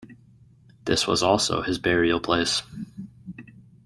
This was also his burial place.